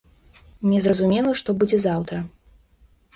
Незразумела, што будзе заўтра.